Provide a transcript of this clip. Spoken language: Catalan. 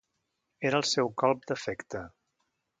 Era el seu colp d'efecte.